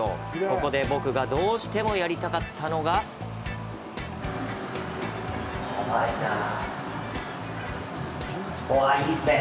ここで僕がどうしてもやりたかったのがわ、いいっすね。